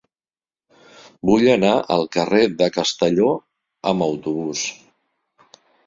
Vull anar al carrer de Castelló amb autobús.